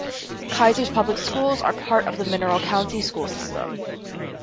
Keyser's public schools are part of the Mineral County school system.